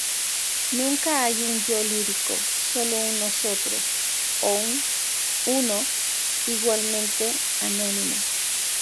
Nunca hay un yo lírico, sólo un "nosotros" o un "uno" igualmente anónimo.